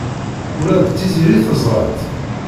Ula d Tiziri teẓra-tt.